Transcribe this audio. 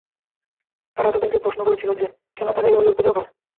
তারা তাদেরকে প্রশ্ন করেছিল যে, কেন তারা এগুলোর পূজা করে?